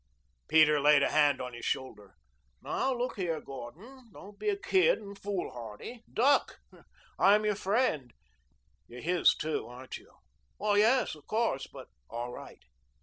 Peter laid a hand on his shoulder. "Now, look here, Gordon. Don't be a kid and foolhardy. Duck. I'm your friend " "You're his, too, aren't you?" "Yes, of course, but " "All right.